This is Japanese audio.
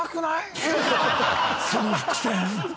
その伏線。